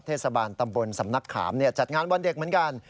เทศบาลตำบลสำนักขามจัดงานวันเด็กเหมือนกัน